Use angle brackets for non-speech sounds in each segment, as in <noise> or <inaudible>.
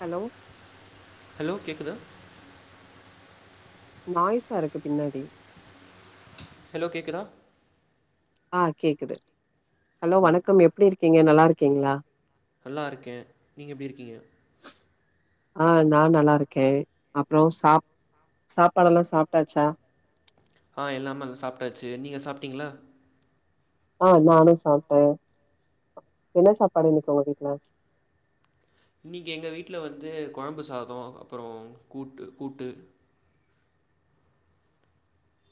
Hello hello கேக்குதா நாய்ஸ்ஸாருக்கு பின்னாடி ஹலோ கேக்குதா ஆ கேக்குது ஹலோ வணக்கம் எப்டி இருக்கீங்க நல்லா இருக்கீங்ளா நல்லா இருக்கே நீங்க எப்டி இருக்கீங்க ஆ நான் நல்லா இருக்கே அப்ரோ சாப் சாப்பாடெல்லா சாப்டாச்சா ஆ எல்லாமல் சாப்டாச்சு நீங்க சாப்டீங்களா ஆ நானு சாப்ட்டே என்ன சாப்பாடு இன்னைக்கு உங்க வீட்ல இன்னிக்கி எங்க வீட்ல வந்து கொழம்பு சாதோ அப்பரோ கூட்டு கூட்டு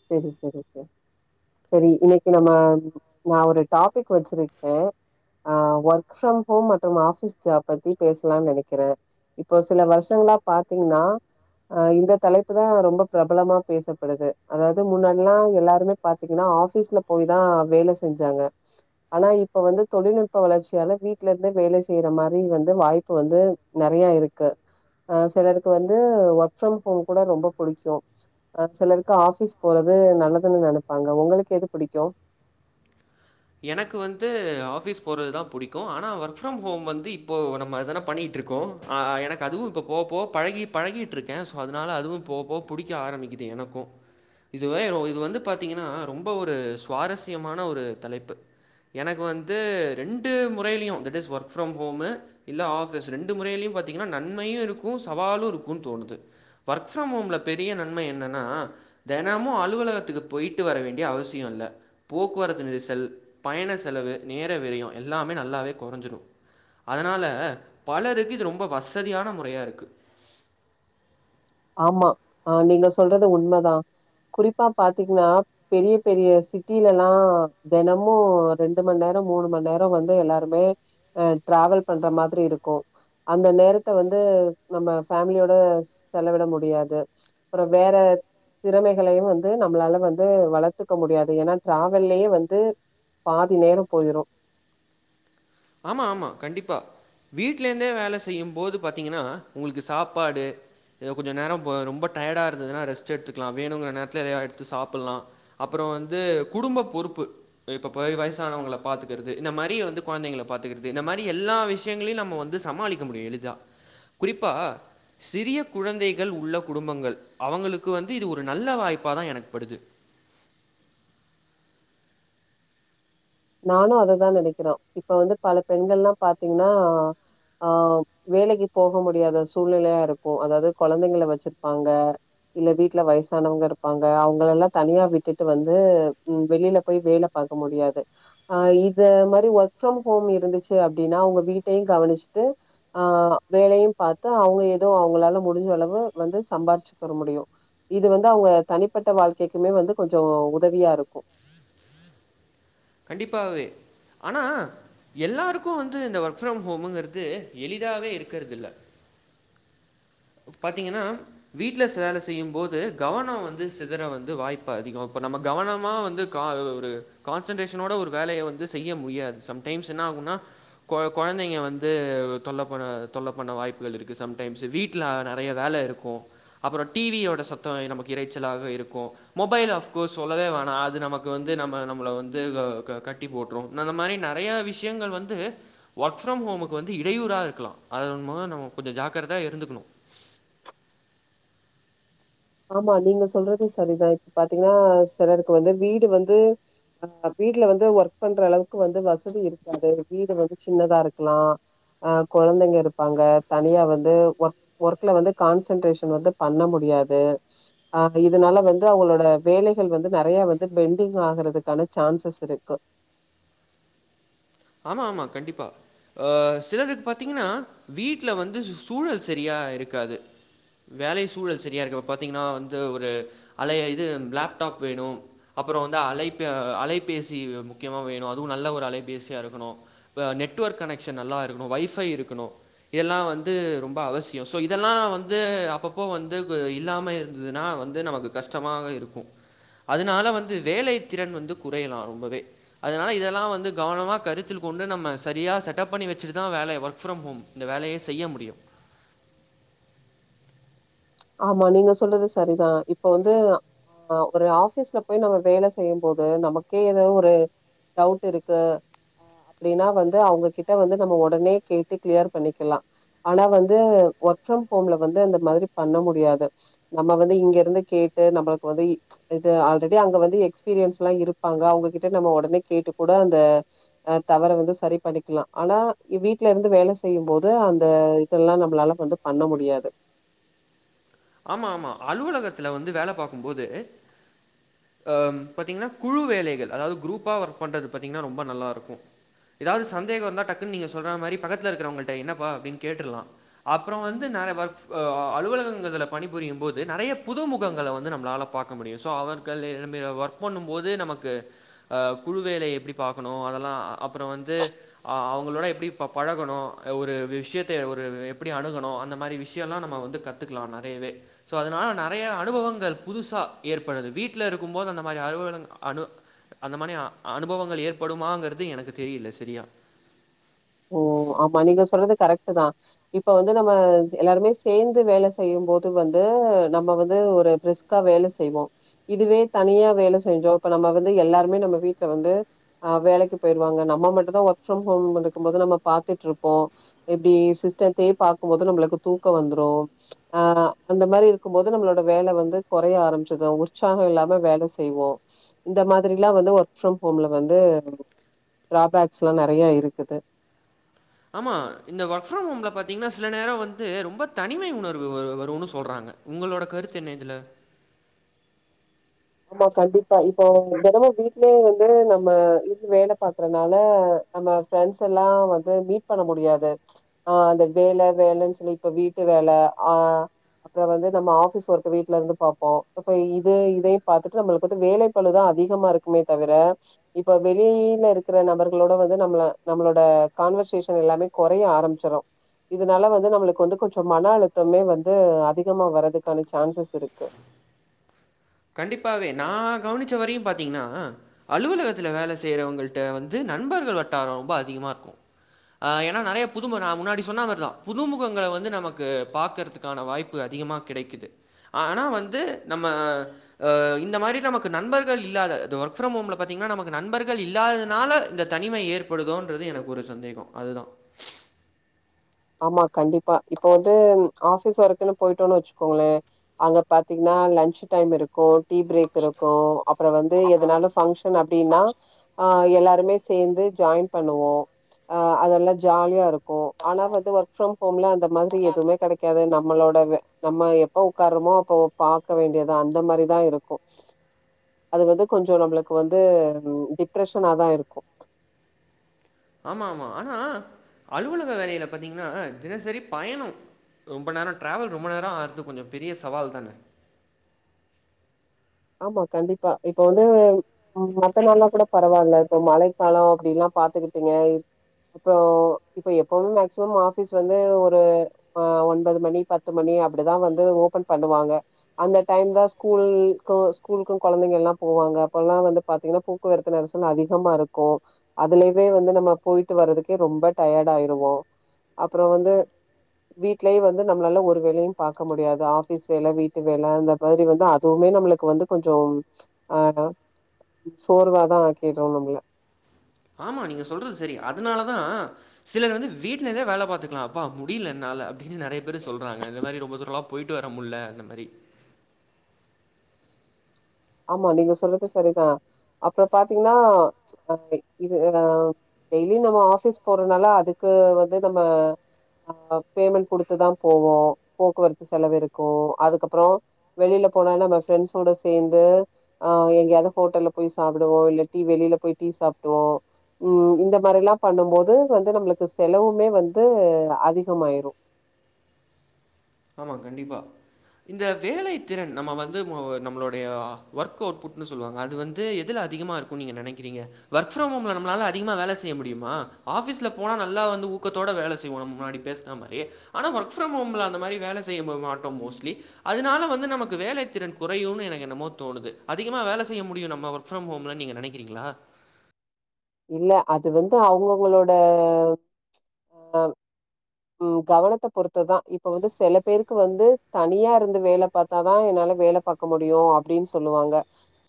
செரி செரி சார் செரி இன்னைக்கு நம்ம நா ஒரு டாபிக் வச்சிருக்கே ஆ ஒர்க் ஃப்ரம் ஹோம் மற்றும் ஆபிஸ் ஜாப் பத்தி பேசலானு நெனைக்கிறே இப்போ சில வருஷங்களா பாத்தீங்னா அ இந்த தலைப்பு தா ரொம்ப பிரபலமா பேசப்படுது அதாவது முன்னாடில்லா எல்லாருமே பாத்தீங்கனா ஆபீஸ்ல போயி தா வேல செஞ்சாங்க ஆனா இப்ப வந்து தொழில்நுட்ப வளர்ச்சியால வீட்ல இருந்து வேல செய்யற மாரி வந்து வாய்ப்பு வந்து நெறையா இருக்கு அ சிலருக்கு வந்து ஒர்க் ஃப்ரம் ஹோம் கூட ரொம்ப புடிக்கு ஆ சிலருக் க்கு ஆஃபீஸ் போறது நல்லதுன்னு நெனப்பாங்க உங்களுக்கு எது புடிக்கு எனக்கு வந்து ஆஃபீஸ் போறது தா புடிக்கு ஆனா ஒர்க் ஃப்ரம் ஹோம் வந்து இப்போ நம்ம அதான பண்ணிட்ருக்கோ ஆ எனக்கு அதுவு இப்ப போவபோவ பழகி பழகிட்ருக்க சோ அதனால அதுவு போவபோவ புடிக்க ஆரம்மிக்குது எனக்கு இதுவே இது வந்து பாத்தீங்கன்னா ரொம்ப ஒரு சுவாரஸ்யமான ஒரு தலைப் பு எனக்கு வந்து ரெண்டு முறையிலையு that is work from home இல்ல ஆபிஸ் ரெண்டு முறையிலயு பாத்தீங்கன்னா நன்மையு இருக்கு சவாலு இருக்குன் தோணுது ஒர்க் ஃப்ரம் ஹோம்ல பெரிய நன்மை என்னன்னா தெனமு அலுவலகத்துக்கு போய்ட்டு வர வேண்டிய அவசியோ இல்ல போக்குவரத்து நெரிசல் பயண செலவு நேர விரயம் எல்லாமே நல்லாவே கொறஞ்சிரு அதனால பலருக்கு இது ரொம்ப வசதியான முறையா இருக்கு ஆமா ஆ நீங்க சொல்றது உண்மதா குறிப்பா பாத்தீங்னா பெரிய பெரிய சிட்டிலலா தெனமு ரெண்டு மண்நேரோ மூணு மண்நேரோ வந்து எல்லாருமே அ ட்ரவல் பண்ற மாதிரி இருக்கு அந்த நேரத்த வந்து நம்ம ஃபமிலியோட செலவிட முடியாது அப்புறோ வேற திறமைகளையு வந்து நம்மளால வந்து வளத்துக்க முடியாது ஏனா ட்ரவல்லயே வந்து பாதி நேரோ போயிரு ஆமா ஆமா கண்டிப்பா வீட்ல இருந்தே வேல செய்யும் போது பாத்தீங்கன்னா உங்களுக்கு சாப்பாடு எதோ கொஞ்ச நேரம் ப ரொம்ப டயர்டா இருந்ததுன்னா ரெஸ்ட் எடுத்துக்லா வேணுங்குற நேரத்துல எதையா எடுத்து சாப்புல்லா அப்புறோ வந்து குடும்ப பொறுப்பு இப்ப போய் வயசானவங்கள பாத்துக்கறது இந்த மாரி வந்து கொழந்தைங்கள பாத்துக்கிறது இந்த மாரி எல்லா விஷயங்களையு நம்ம வந்து சமாளிக்க முடியு எளிதா குறிப்பா சிறிய குழந்தைகள் உள்ள குடும்பங்கள் அவங்களுக்கு வந்து இது ஒரு நல்ல வாய்ப்பா தா எனக்கு படுது நானு அததா நெனக்கிற இப்ப வந்து பல பெண்கள்ல்லா பாத்தீங்னா ஆ வேலைக்கு போக முடியாத சூழ்நிலையா இருக்கு அதாது கொழந்தைங்கள வச்சிருப்பாங்க இல்ல வீட்ல வயசானவங்க இருப்பாங்க அவுங்கலலா தனியா விட்டுட்டு வந்து ம் வெளில போய் வேல பாக்க முடியாது ஆ இத மாரி ஒர்க் ஃப்ரம் ஹோம் இருந்துச்சு அப்டின்னா உங்க வீட்டயு கவனிச்சுட்டு ஆ வேலையு பாத்து அவுங்க ஏதோ அவுங்களால முடிஞ்ச அளவு வந்து சம்பாரிச்சுக்குர முடியு இது வந்து அவங்க தனிப்பட்ட வாழ்க்கைக்குமே வந்து கொஞ்சோ உதவியா இருக்கு கண்டிப்பாகவே ஆனா எல்லாருக்கு வந்து இந்த ஒர்க் ஃப்ரம் ஹோமுங்கறது எளிதாவே இருக்குறதில்ல பாத்தீங்கன்னா வீட்ல ச வேல செய்யும் போது கவனோ வந்து சிதற வந்து வாய்ப்பு அதிகோ இப்ப நம்ம கவனமா வந்து கா அது ஒரு கான்சன்ட்ரேஷனோட ஒரு வேலைய வந்து செய்ய முடியாது சம்டைம்ஸ் என்ன ஆகுன்னா கொ கொழந்தைங்க வந்து தொல்லப்பன தொல்ல பண்ண வாய்ப்புகள் இருக்கு சம்டைம்ஸ்சு வீட் ட்ல நெறைய வேல இருக்கு அப்புறோ டிவியோட சத்தோ நமக்கு இறைச்சலாகவே இருக்கு மொபைல் ஆஃப்கோஸ் சொல்லவே வேணா அது நமக்கு வந்து நம்ம நம்மள வந் த க கட்டி போட்ரும் இந்த அந்த மாரி நெறையா விஷயங்கள் வந்து ஒர்க் ஃப்ரம் ஹோமுக்கு வந்து இடையூறா இருக்கலா அத மொத நம்ம கொஞ்சோ ஜாக்கரதயா இருந்துக்கணு ஆமா நீங்க சொல்றது சரிதா இப்ப பாத்தீங்கன்னா செலருக்கு வந்து வீடு வந்து ஆ வீட்ல வந்து ஒர்க் பண்ற அளவுக்கு வந்து வசதி இருக்காது வீடு வந்து சின்னதா இருக்கலா ஒ கொழந்தங்க இருப்பாங்க தனியா வந்து ஓர்க் ஒர்க்ல வந்து கான்சன்ட்ரேஷன் வந்து பண்ண முடியாது ஆ இதனால வந்து அவுங்களோட வேலைகள் வந்து நெறைய வந்து பெண்டிங் ஆகுறதுக்கான சான்சஸ் இருக்கு ஆமா ஆமா கண்டிப்பா ஆ சிலதுக் பாத்தீங்கன்னா வீட்ல வந்து சூழல் சரியா இருக்காது வேலை சூழல் செரியா இருக்கு அப்போ பாத்தீங்ன்னா வந்து ஒரு அலைய இது லேப்டாப் வேணு அப்றோ வந்து அலைப்பு அ அலைபேசி முக்கியம வேணு அதுவு நல்ல ஒரு அலைபேசியா இருக் கணு நெட்வொர்க் கனெக்ஷன் நல்லா இருக்கணு வொய்ஃபை இருக்கணு இதெல்லா வந்து ரொம்ப அவசியோ சோ இதெல்லா வந்து அப்பப்போ வந்து ப இல்லாம இருந் ததுனா வந்து நமக்கு கஷ்டமாக இருக்கு அதனால வந்து வேலை திறன் வந்து குறையலா ரொம்பவே அதனால இதெல்லா வந்து கவனமா கருத் தில் கொண்டு நம்ம செரியா செட்டப் பண்ணி வெச்சிட்டுதா வேலைய ஒர்க் ஃப்ரம் ஹோம் இந்த வேலைய செய்ய முடியு ஆமா நீங்க சொல்றது சரிதா இப்ப வந்து ஆ ஒரு ஆபீஸ்ல போய் நம்ம வேல செய்யும் போது நமக்கே எதோ ஒரு டவுட் இருக்கு அப்டின்னா வந்து அவுங்ககிட்ட வந்து நம்ம ஒடனே கேட்டு கிளியர் பண்ணிக்கலா ஆனா வந்து ஒர்க் ஃப்ரம் ஹோம்ல வந்து அந்த மாரி பண்ண முடியாது நம்ம வந்து இங்க இருந்து கேட்டு நம்மளுக்கு வந்து இது ஆல்ரெடி அங்க வந்து எக்ஸ்பீரியன்ஸ் எல்லா இருப்பாங்க அவுங்ககிட்ட நம்ம ஒடனே கேட்டு கூட அந்த அ தவற வந்து சரி பண்ணிக்லா ஆனா வீட்ல இருந்து வேல செய்யும் போது அந்த இதெல்லா நம்மளால வந்து பண்ண முடியாது ஆமா ஆமா அலுவலகத்துல வந்து வேல பாக்கும்போது அ பாத்திங்கன்னா குழு வேலைகள் அதாவ்து குரூப்பா ஒர்க் பண்றது பாத்தீங்கன்னா ரொம்ப நல்லாருக்கு எதாவ்து சந்தேகோ இருந்தா டக்குன்னு நீங்க சொல்றா மாரி பக்கத்துல இருக்கறவங்கள்ட்ட என்னப்பா அப்டின் கேட்டுர்லா அப்றோ வந்து நெ வ அ அலுவலகங் இதுல பணிபுரியும் போது நெறையா புதுமுகங்கள வந்து நம்மளால பாக்க முடியு சோ அவர்கள் <unintelligible> ஒர்க் பண்ணு போது நமக்கு அ குழு வேலை எப்டி பாக்கணு அதெல்லா அப்பற வந்து அ அவுங்களோட எப்டி பழகணு ஒரு விஷ்யத்த ஒரு எப்டி அணுகணு அந்த மாரி விஷியல்லா நம்ம வந்து கத்துக்கலா நெறையவே சோ அதனால நெறையா அனுபவங்கள் புதுசா ஏற்படுது வீட்ல இருக்கும் போது அந்த மாரி அலுவல அனு அந்த மானியா அனுபவங்கள் ஏற்படுமாங்கிறது எனக்கு தெரியில செரியா ஓ ஆமா நீங்க சொல்றது கரெட்டு தா இப்ப வந்து நம்ம எல்லாருமே சேந்து வேல செய்யும்போது வந்து நம்ம வந்து ஒரு ப்ரிஸ் க்கா வேல செய்வோ இதுவே தனியா வேல செஞ்சோ இப்ப நம்ம வந்து எல்லாருமே நம்ம வீட்ல வந்து ஆ வேலைக்கு போயிருவாங்க நம்ம மட்டுந்தா ஒர்க் ஃப்ரம் ஹோம் இருக்குபோது நம்ம பாத்துட்ருப்போ இப்டி சிஸ்டத்தே பாக்கும் போது நம்மளுக்கு தூக்கோ வந்துரு ஆ அந்த மாரி இருக்கும்போது நம்மளோட வேல வந்து கொறைய ஆரம்பிச்சதும் உற்சாகோ இல்லாம வேல செய்வோ இந்த மாதிரிலா வந்து ஒர்க் ஃப்ரம் ஹோம்ல வந்து ட்ராபாக்ஸ்லா நெறையா இருக்குது ஆமா இந்த ஒர்க் ஃப்ரம் ஹோம்ல பாத்தீங்கன்னா சில நேரோ வந்து ரொம்ப தனிமை உணர்வு வ வருன் சொல்றாங்க உங்களோட கருத்து என்ன இதுல ஆமா கண்டிப்பா இப்போ தெனமு வீட்லயே வந்து நம்ம இருந்து வேல பாக்குறனால நம்ம ஃபிரண்ட்ஸ் எல்லா வந்து மீட் பண்ண முடியாது ஆ அந்த வேல வேலன் சொல்லிட்டு வீட்டு வேல ஆ அப்றோ வந்து நம்ம ஆபிஸ் ஒர்க் வீட்ல இருந்து பாப்போ அப்ப இது இதையு பாத்துட்டு நம்மளுக்கு வந்து வேலை பழுதா அதிகமா இருக்குமே தவிர இப்ப வெளியில இருக்கிற நபர்களோட வந்து நம்மள நம்மளோட கான்வர்சேஷன் எல்லாமே கொறைய ஆரம்பிச்சிரு இதனால வந்து நம்மளுக்கு வந்து கொஞ்சம் மன அழுத்தமே வந்து அதிகமா வரதுக்கான சான்சஸ் இருக்கு கண்டிப்பாவே நா கவனிச்ச வரையு பாத்தீங்கன்னா அலுவலகத்துல வேல செய்யறவங்கள்ட வந்து நண்பர்கள் வட்டாரோ ரொம்ப அதிகமா இருக்கு ஆ ஏன்னா நறைய புதுமுக முன்னாடி சொன்னா மாதிரிதா புதுமுகங்கள வந்து நமக்கு பாக்கறதுக்கு க்கான வாய்ப்பு அதிகமாக கெடைக்குது ஆனா வந்து நம்ம ஆ இந்த மாரி நமக்கு நண்பர்கள் இல்லாத இது ஒர்க் ஃப்ரம் ஹோம்ல பத்திங்கன்னா நமக்கு நண்பர்கள் இல்லாதனால இந்த தனிமை ஏற்படுதோன்றது எனக்கு ஒரு சந்தேகோ அதுதா ஆமா கண்டிப்பா இப்ப வந்து ஆபிஸ் ஒர்க்குன்னு போயிட்டோன்னு வெச்சுக்கோங்களே அங்க பாத்தீங்கன்னா லஞ்ச் டைம் இருக்கு டி பிரேக் இருக்கு அப்புறம் வந்து எதனாலு பங்க்ஷன் அப்டின்னா ஆ எல்லாருமே சேந்து ஜாயின் பண்ணுவோ அ அதெல்லாம் ஜாலியா இருக் தொறக்கு ஒர்க் ஃப்ரம் ஹேம்ல அந்த மாரி எதுவுமே கெடைக் கக்காது நம்மளோடது. நம்ம எப்ப ஒக்கார்றோமோ அப்ப பாக்க வேண்டியதா அந்த மாரிதா இருக்கு அது வந்து நம்மளுக்கு வந்து கொஞ்சோ டிப்ரெஷனாதா இருக்கு ஆமா ஆமா ஆனா அலுவலக வேலையில பாத்தீங்கன்னா தினசரி பயணோ ரொம்ப நேரோ ட்ராவல் ரொம்ப நேரோ ஆகுறது கொஞ்சோ பெரிய சவால் தானே ஆமா கண்டிப்பா இப்ப வந்து மத்த நாள்னா கூட பரவால்ல இப்போ மழைக்காலோ அப்டில்லா பாத்துக்கிட்டீங்க இப்போ ‌இப்ப எப்பவுமே மேக்சிமம் ஆபீஸ் வந்து ஒரு ஆ ஒன்பது மணி பத்து மணி அப்டிதா வந்து ஓபன் பண்ணுவாங்க அந்த டைம் தா ஸ்கூல் ஸ்கூலுக்கு கொழந்தைகள்லா போவாங்க அப்பல்லா வந்து பாத்தீங்கன்னா போக்குவரத்து நெரிசல் அதிகமா இருக்கு அதுலயே வந்து நம்ம போயிட்டு வறதுக்கே ரொம்ப டயர்டா ஆயிருவோ அப்புறம் வந்து. வீட்லயு வந்து நம்மளால ஒரு வேலையு பாக்க முடியாது ஆபிஸ் வேல வீட்டு வேல அந்த மாரி வந்து அதுவுமே நம்மளுக்கு. ளுக்கு வந்து கொஞ்சம் ஆ சோர்வாதா ஆக்கிறோ நம்மள ஆமா நீங்க சொல்றது சரி அதனாலதா சிலர் வந்து வீட்டுலேருந்தே வேல பாத்துக்கலா அப்பா முடியல என்னால அப்டின்னு நெறைய பேர் சொல்றாங்க இந்த மாரி ரொம்ப தூரமெல்லா போயிட்டு வர முட்ல அந்த மாரி ஆமா நீங்க சொல்றது சரிதா அப்புறோ பாத்தீங்கன்னா ஆ இது ம் ‌டெய்லி நம்ம ஆபிஸ் போறதுனால அதுக்கு வந்து நம்ம ஆ ம்‌ பேமெண்ட் குடுத்துதா போவோ போக்குவரத்து செலவு இருக்கு அதுக்கு அப்றோ வெளியில போனா நம்ம ஃப்ரென்ஸ்சோட சேந் து அ எங்கயாது ஹோட்டல்ல போய் சாப்புடுவோ இல்ல டீ வெளியில போய் டீ சாப்டுவோ ம் இந்த மாரிலாம் பண்ணும் போது வந்து நம்மளுக்கு செலவுமே வந்து அதிகமாயிரு ஆமா கண்டிப்பா இந்த வேலை திறன் நம்ம வந்து ம நம்மளுடைய ஒர்க் அவுட்புட்னு சொல்லுவாங்க அது வந் அது எதுல அதிகமா இருக்கு நீங்க நெனைக்கிறீங்க ஒர்க் ஃப்ரம் ஹோம்ல நம்மளால அதிகமா வேல செய்ய முடியுமா ஆபிஸ்ல போனா நல்லா வந்து ஊக்கத்தோட வேல செய்வோ நாம முன்னாடி பேசனா மாரி ஆனா ஒர்க் ஃப்ரம் ஹோம்ல அந்த மாரி வேல செய்யவும் மாட்டோம் மோஸ்ட்லி. அதனால வந்து நமக்கு வேலை திறன் குறையுனு ‌‌எனக்கு என்னமோ தோணுது அதிகமா வேல செய்ய முடியு நம்ம ஒர்க் ஒர்க் ஃப்ரம் ஹோம்லா நீங்க நெனக்கிறீங்ளா இல்ல அது வந்து அவுங்கவுங்களோட அ ம் ம் கவனத்த பொறுத்துதா இப்ப வந்து சில பேருக்கு வந்து தனியா இருந்து வேல பாத்தா தா என்னால வேல பாக்க முடியும்னு அப்படின்னு சொல்லுவாங்க.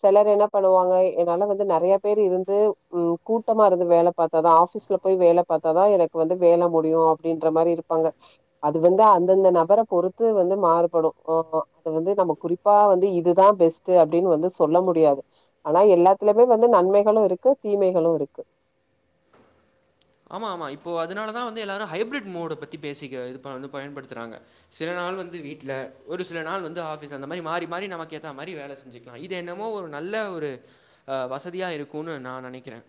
சிலர் என்ன பண்ணுவாங்க என்னால வந்து நிறைய பேர் இருந்து ம் கூட்டமா இருந்து வேல பாத்ததா ஆஃபீஸ்ல போய் வேலை பார்த்ததான் எனக்கு வந்து வேலை முடியும் அப்பிடின்ற மாரி இருப்பாங்க. அது வந்து அந்தந்த நபர பொறுத்து வந்து மாறுபடும் ஓஹோ அது வந்து நம்ம குறிப் ப்போ வந்து இதுதான் பெஸ்ட்டு அப்படின்னு வந்து சொல்ல முடியாது ஆனா எல்லாத்துலயுமே வந்து நன்மைகளும் இருக்கு தீமைகளும் இருக்கு. ஆமா ஆமா இப்போ அதனாலதான் வந்து எல்லாரும் ஹைப்ரிட் மோடு பத்தி பேசிக்க இப்ப வந்து பயன்படுத்துறாங்க. சில நாள் வந்து வீட்ல ஒரு சில நாள் வந்து ஆஃபிஸ் அந்த மாரி மாறி மாறி நமக்கு ஏத்த மாதிரி வேலை செஞ்சுக் லா இது என்னமோ ஒரு நல்ல ஒரு வசதியாக இருக்கும்ன்னு நா நினைக்கிறே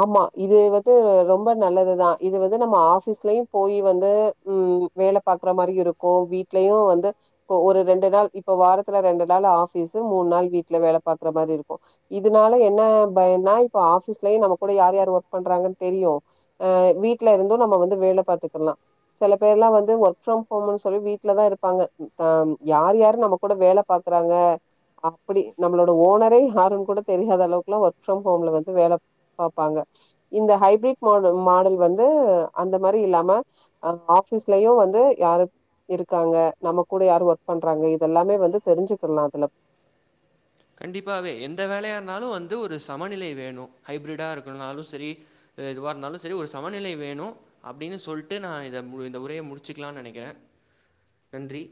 ஆமா இது வந்து ரொம்ப நல்லதுதான். இது வந்து நம்ம ஆஃபிஸ்லயும் போயி வந்து உம் வேலை பா பாக்குற மாரி இருக்கும். வீட்லயும் வந்து ஒ ஒரு ரெண்டு நாள் இப்ப வாரத்துல ரெண்டு நாள் ஆஃபிஸ் மூணு நாள் வீட்ல வேலை பாக்குற மாரி இருக்கும். இதுனால என்ன பயன்னா இப்ப ஆஃபீஸ்லயும் நமக்கு கூட யார் யார் ஒர்க் பண்றாங்கன்னு தெரியும். அ வீட்ல இருந்தும் நம்ம வந்து வேல பாத்துக்கலாம். சில பேர் எல்லாம் வந்து ஒர்க் ஃப்ரம் ஹோம்னு சொல்லி வீட்ல தா இருப்பாங்க யார் யாரரு நம்ம கூட வேல பாக்குறாங்க அப்டி நம்மளோட ஓனர யாருன்ன கூட தெரியாத அளவுக்லா ஒர்க் ஃப்ரம் ஹோம்ல வந்து வேல பாப்பாங்க இந்த ஹைபிரிட் மாடல் மாடல் வந்து அந்த மாரி இல்லாம அ ஆஃபீஸ்லயு வந்து யாரு இருக்காங்க நம்ம கூட யாரு ஒர்க் பண்றாங்க இதெல்லாமே வந்து தெரிஞ்சுக்கின்னு அதுல கண்டிப்பாவே எந்த வேலையா இருந்தாலும் வந்து ஒரு சமநிலை வேணும் ஹைப்ரிடா இருக்கனாலும் சரி. ஏ எதுவாயிருந்தாலும் சரி ஒரு சமநிலை வேணு. அப்படின்னு சொல்ட்டு நா இத மு இந்த உரைய முடிச்சிக்கலானு நெனைக்கிற நன்றி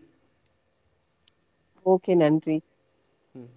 ஓகே நன்றி ம்